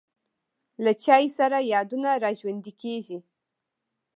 له چای سره یادونه را ژوندی کېږي.